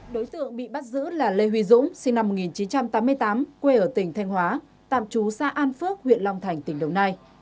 đối tượng bị bắt giữ là lê huy dũng sinh năm một nghìn chín trăm tám mươi tám quê ở tỉnh thanh hóa tạm trú xã an phước huyện long thành tỉnh đồng nai